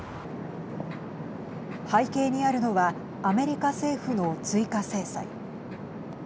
背景にあるのはアメリカ政府の追加制裁。